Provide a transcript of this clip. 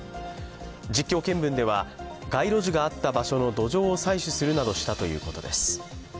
実況見分では街路樹があった場所の土壌を採取するなどしたということです。